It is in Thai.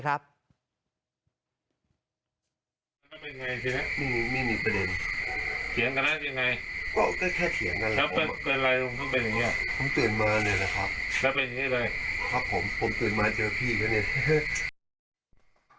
ครับผมผมตื่นมาเจอพี่ก็เนี่ย